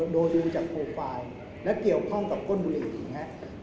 โดยดูจากโปรไฟล์และเกี่ยวข้องกับก้นบุหรี่อีกฮะ